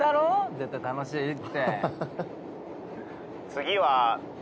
絶対楽しいって。